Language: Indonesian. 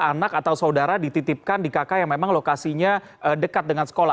anak atau saudara dititipkan di kakak yang memang lokasinya dekat dengan sekolah